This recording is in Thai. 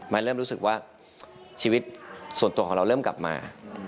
มันเริ่มรู้สึกว่าชีวิตส่วนตัวของเราเริ่มกลับมา